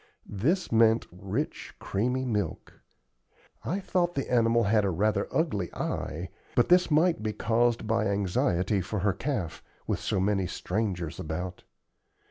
This meant rich, creamy milk. I thought the animal had a rather ugly eye, but this might be caused by anxiety for her calf, with so many strangers about.